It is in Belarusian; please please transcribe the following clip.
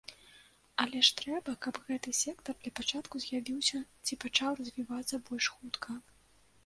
Але ж трэба, каб гэты сектар для пачатку з'явіўся ці пачаў развівацца больш хутка.